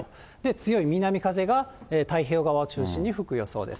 強い南風が太平洋側を中心に吹く予想です。